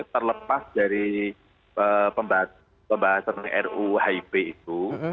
terlepas dari pembahasan ruu hip itu